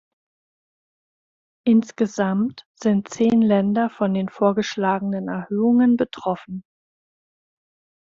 Insgesamt sind zehn Länder von den vorgeschlagenen Erhöhungen betroffen.